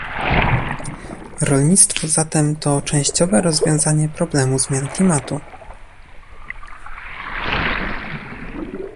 Rolnictwo zatem to częściowe rozwiązanie problemu zmian klimatu